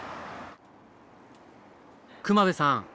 隈部さん